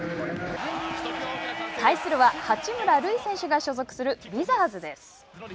対するは八村塁選手が所属するウィザーズです。